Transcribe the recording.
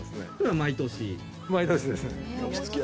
毎年です。